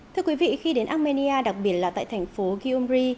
thưa quý vị khi đến armenia đặc biệt là tại thành phố gyumri